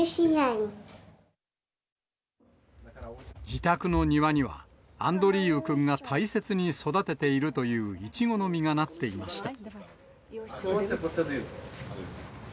自宅の庭には、アンドリーウくんが大切に育てているというイチゴの実がなっていました。